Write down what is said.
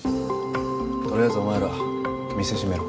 とりあえずお前ら店閉めろ。